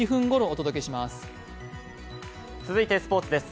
続いてスポーツです。